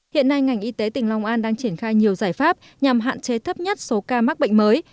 hiện nay ngành y tế tỉnh long an đang triển khai nhiều giải pháp nhằm hạn chế thấp nhất số ca mắc bệnh mới